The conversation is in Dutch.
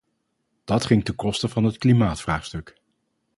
Dat ging ten koste van het klimaatvraagstuk.